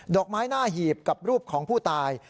อกไม้หน้าหีบกับรูปของผู้ตาย